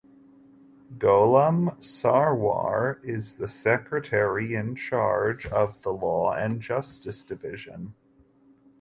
Golam Sarwar is the secretary in charge of the Law and Justice Division.